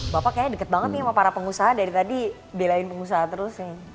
bapak kayaknya deket banget nih sama para pengusaha dari tadi belain pengusaha terus nih